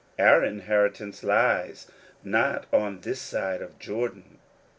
Our inheritance lies not on this side of Jprdan.